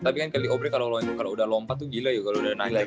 tapi kan kelly oubre kalo udah lompat tuh gila ya kalo udah naik